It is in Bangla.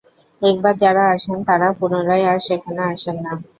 একবার যারা আসেন তারা পুনরায় আর সেখানে আসেন না।